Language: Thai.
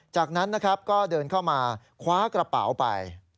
จากนั้นนะครับก็เดินเข้ามาคว้ากระเป๋าไป